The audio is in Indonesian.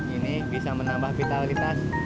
ini bisa menambah vitalitas